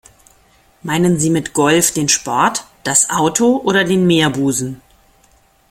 Meinen Sie mit Golf den Sport, das Auto oder den Meerbusen?